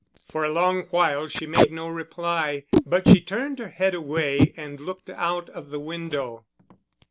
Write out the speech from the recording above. For a long while she made no reply, but she turned her head away and looked out of the window.